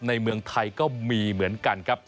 ในเมืองไทยก็มีเหมือนกันครับ